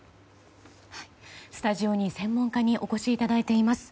スタジオに、専門家にお越しいただいています。